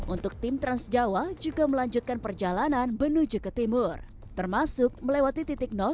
untuk tim trans jawa juga melanjutkan perjalanan berfungsi ketimur termasuk melewati titikno toll